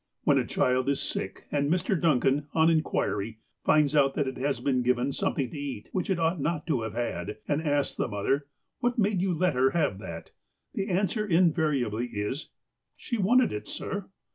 When a child is sick, and Mr. Duncan, on inquiry, finds out that it has been given something to eat which it ought not to have had, and asks the mother: "What made you let her have that?" the answer invariably is: ''She wanted it, sir."